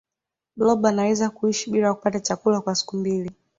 blob anaweza kuishi bila ya kupata chakula kwa siku mbili